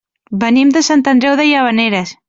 Venim de Sant Andreu de Llavaneres.